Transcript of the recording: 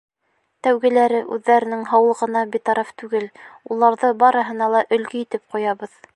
Тәүгеләре үҙҙәренең һаулығына битараф түгел, уларҙы барыһына ла өлгө итеп ҡуябыҙ.